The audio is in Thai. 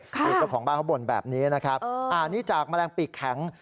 ตรงของบ้านเขาบ่นแบบนี้นะครับอ่านี่จากแมลงปิดแข็ง